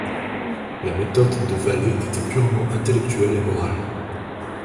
La méthode de Vallée était purement intellectuelle et morale.